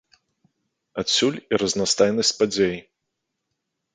Адсюль і разнастайнасць падзей.